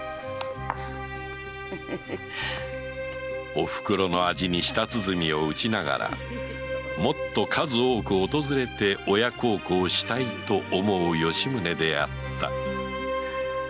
おふくろの味に舌鼓を打ちながらもっと数多く訪れて親孝行したいと思う吉宗であった